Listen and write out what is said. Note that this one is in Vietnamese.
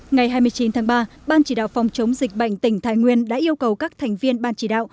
ngày hai mươi chín tháng ba ban chỉ đạo phòng chống dịch bệnh tỉnh thái nguyên đã yêu cầu các thành viên ban chỉ đạo